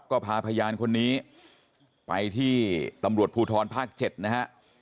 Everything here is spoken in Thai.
ก็พาพยานคนนี้ไปที่ตำรวจภูทรภาค๗นะฮะ